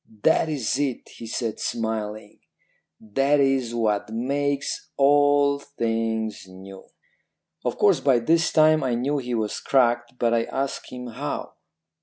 "'That is it,' he said smiling; 'that is what makes all things new.' "Of course by this time I knew he was cracked, but I asked him how.